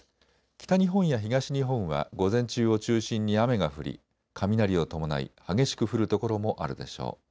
北日本や東日本は午前中を中心に雨が降り雷を伴い激しく降る所もあるでしょう。